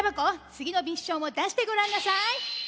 つぎのミッションをだしてごらんなさい！